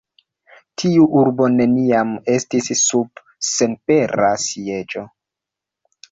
Tiu urbo neniam estis sub senpera sieĝo.